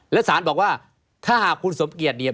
และสารบอกว่าถ้าหากคุณสมเกียจเนี่ย